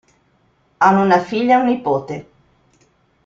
Hanno una figlia e un nipote.